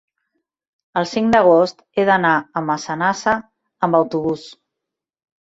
El cinc d'agost he d'anar a Massanassa amb autobús.